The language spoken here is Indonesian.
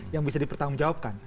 yang bisa dipertanggungjawabkan